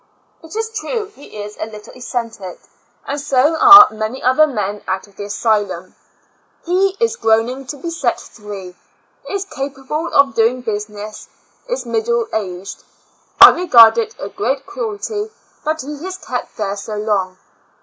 It is true he is a little eccentric, and so are many other men out of the asylum. He is groaning to be set free — is capable of doing business — is middle aged. I regard it a great cruelty that he is kept there so long.